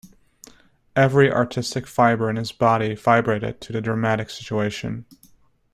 Every artistic fibre in his body vibrated to the dramatic situation.